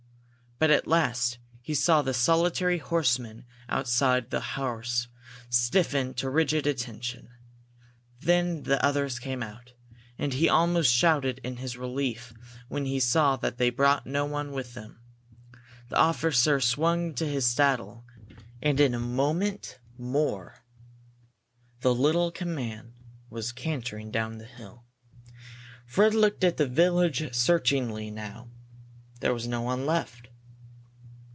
But at last he saw the solitary horseman outside the house stiffen to rigid attention. Then the others came out, and he almost shouted in his relief when he saw that they brought no one with them. The officer swung to his saddle and in a minute more the little command was cantering down the hill. Fred looked at the village searchingly now. There was no one left.